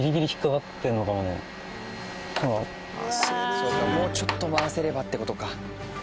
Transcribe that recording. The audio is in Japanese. そうかもうちょっと回せればって事か。